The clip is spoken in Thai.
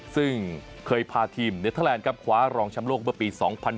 ซึ่งเคยพาทีมเน็ตเทอร์แลนด์กับขวารองชำโลกเมื่อปี๒๐๑๐